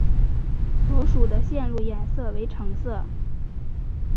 所属的线路颜色为橙色。